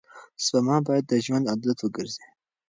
سپما باید د ژوند عادت وګرځي.